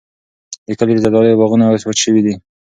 د کلي د زردالیو باغونه اوس وچ شوي دي.